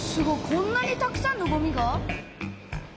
こんなにたくさんのごみが？